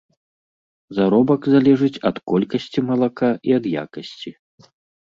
Заробак залежыць ад колькасці малака і ад якасці.